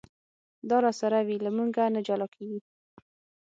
دا راسره وي له مونږه نه جلا کېږي.